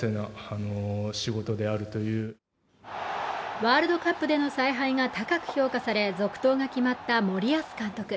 ワールドカップでの采配が高く評価され続投が決まった森保監督。